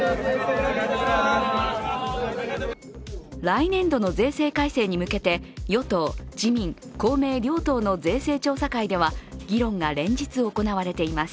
来年度の税制改正に向けて、与党自民・公明両党の税制調査会では議論が連日行われています。